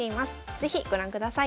是非ご覧ください。